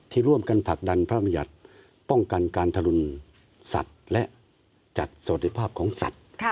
ที่ร่วมกันผลักดันพระมญัติป้องกันการทะลุนศัตริย์และจัดสถิตภาพของศัตริย์